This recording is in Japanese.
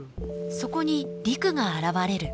そこに陸が現れる。